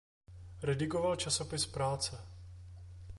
Redigoval časopis Práce.